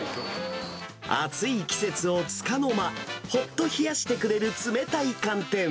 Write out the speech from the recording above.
暑い季節もつかの間、ほっと冷やしてくれる冷たい寒天。